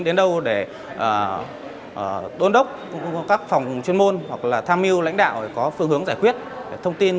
đến đâu để đôn đốc các phòng chuyên môn hoặc là tham mưu lãnh đạo để có phương hướng giải quyết thông tin